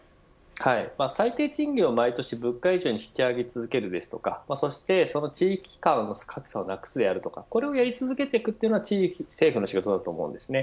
最低賃金を、毎年物価以上に引き上げ続けるですとかそして地域間の格差をなくすであるとかこれをやり続けていくことは政府の仕事だと思います。